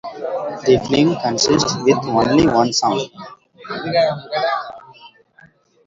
The film consist with only one song.